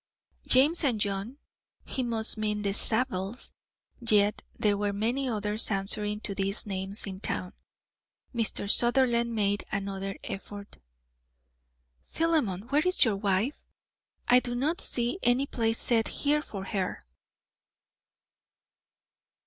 James and John. He must mean the Zabels, yet there were many others answering to these names in town. Mr. Sutherland made another effort. "Philemon, where is your wife? I do not see any place set here for her!"